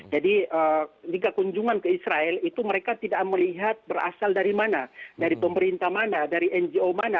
jadi ketika kunjungan ke israel itu mereka tidak melihat berasal dari mana dari pemerintah mana dari ngo mana